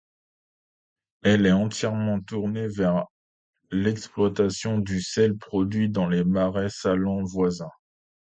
Elle est entièrement tournée vers l'exploitation du sel produit dans les marais salants voisins.